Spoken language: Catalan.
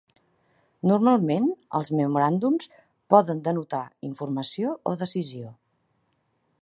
Normalment, els memoràndums poden denotar "informació" o "decisió".